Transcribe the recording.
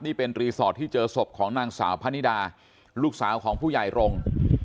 นี่เป็นรีสอร์ทที่เจอศพของนางสาวพะนิดาลูกสาวของผู้ใหญ่รงค์